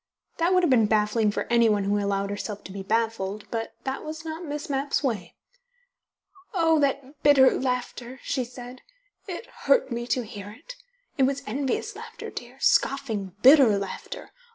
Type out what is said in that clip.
That would have been baffling for anyone who allowed herself to be baffled, but that was not Miss Mapp's way. "Oh, that bitter laughter!" she said. "It hurt me to hear it. It was envious laughter, dear, scoffing, bitter laughter.